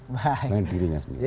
dengan dirinya sendiri